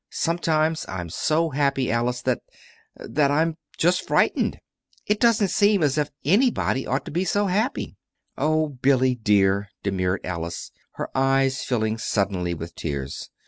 Sometimes I'm so happy, Alice, that that I'm just frightened. It doesn't seem as if anybody ought to be so happy." "Oh, Billy, dear," demurred Alice, her eyes filling suddenly with tears.